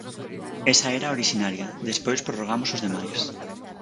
Esa era a orixinaria, despois prorrogamos os demais.